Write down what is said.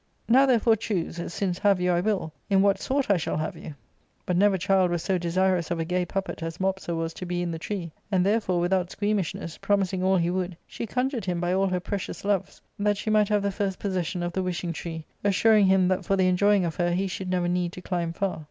Now therefore choose, since have you I will, in what sort I shall have you." But never child was so desirous of a gay puppet as Mopsa was to be in the tree, and therefore, without squeamishness, promising all he would, she conjured him by all her precious loves that she might have the first possession of the wishing tree, assuring him that for the enjoying of her he should never need to climb far.